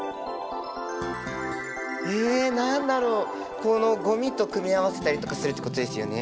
このゴミと組み合わせたりとかするってことですよね。